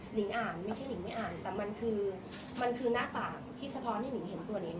นิงอ่านไม่ใช่หนิงไม่อ่านแต่มันคือมันคือหน้าปากที่สะท้อนให้หิงเห็นตัวหนิง